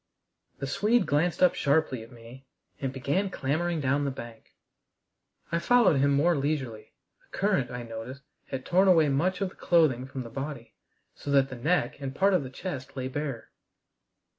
The Swede glanced up sharply at me, and began clambering down the bank. I followed him more leisurely. The current, I noticed, had torn away much of the clothing from the body, so that the neck and part of the chest lay bare.